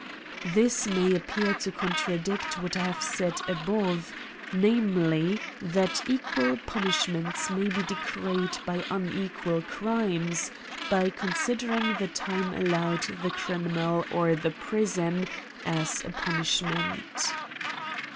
This may appear to contradict what I have said above, namely, that equal punishments may be decreed by unequal crimes, by consider ing the time allowed the criminal or the prison as a punishment.